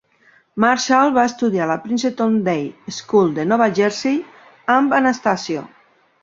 Marshall va estudiar a la Princeton Day School de Nova Jersey amb Anastasio.